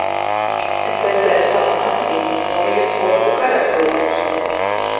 Es redzēju savām acīm Morijas orku karapulkus!